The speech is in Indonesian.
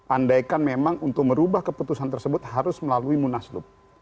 andaikan memang untuk merubah keputusan tersebut harus melalui munaslup